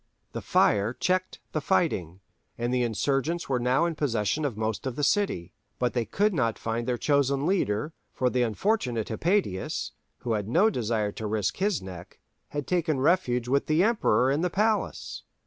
(9) The fire checked the fighting, and the insurgents were now in possession of most of the city. But they could not find their chosen leader, for the unfortunate Hypatius, who had no desire to risk his neck, had taken refuge with the Emperor in the palace.